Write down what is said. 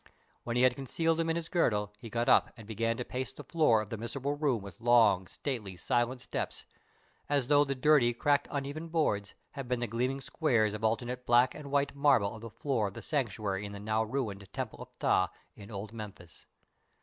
When he had concealed them in his girdle, he got up and began to pace the floor of the miserable room with long, stately, silent steps as though the dirty, cracked, uneven boards had been the gleaming squares of alternate black and white marble of the floor of the Sanctuary in the now ruined Temple of Ptah in old Memphis.